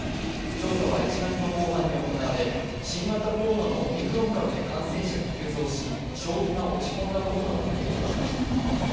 調査は１月の後半に行われ、新型コロナのオミクロン株で感染者が急増し消費が落ち込んだことなどが影響しました。